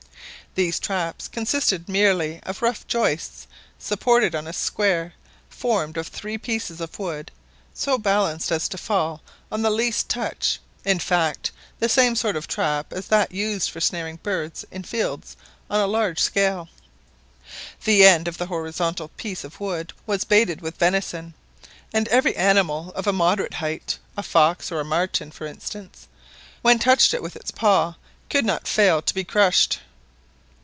These traps consisted merely of rough joists supported on a square, formed of three pieces of wood so balanced as to fall on the least touch in fact, the same sort of trap as that used for snaring birds in fields on a large scale. The end of the horizontal piece of wood was baited with venison, and every animal of a moderate height, a fox or a marten, for instance, which touched it with its paw, could not fail to be crushed.